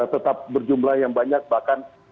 tetap berjumlah yang banyak bahkan